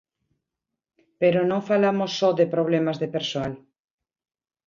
Pero non falamos só de problemas de persoal.